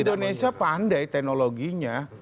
indonesia pandai teknologinya